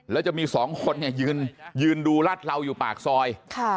แล้วจะมีสองคนเนี่ยยืนดูรถเราอยู่ปากซอย